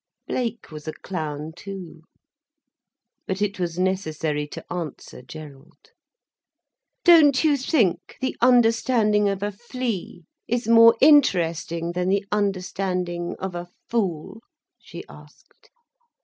Blake was a clown too. But it was necessary to answer Gerald. "Don't you think the understanding of a flea is more interesting than the understanding of a fool?" she asked.